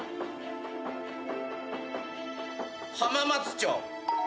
浜松町。